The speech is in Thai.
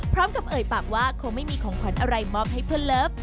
เอ่ยปากว่าคงไม่มีของขวัญอะไรมอบให้เพื่อนเลิฟ